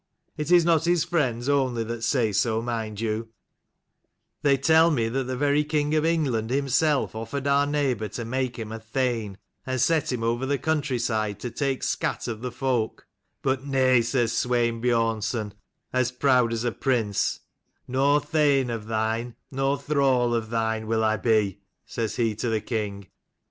It is not his friends only that say so, mind you: they tell me the very king of England himself offered our neighbour to make him a thane, and set him over the country side to take scat of the folk: but 'Nay,' says Swein Biornson as proud as a prince, * Nor thane of thine nor thrall of thine will I be,' says he to the king.